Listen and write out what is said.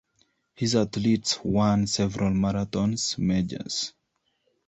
His athletes won several Marathon Majors.